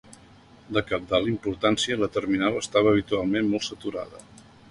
De cabdal importància, la terminal estava habitualment molt saturada.